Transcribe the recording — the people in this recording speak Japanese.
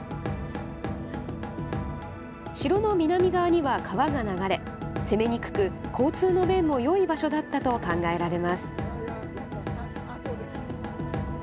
城の南側には川が流れ攻めにくく交通の便もよい場所だったと考えられます。